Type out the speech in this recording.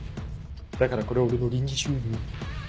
だからこれは俺の臨時収入。